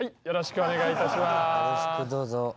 よろしくどうぞ。